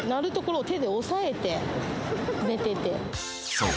そう。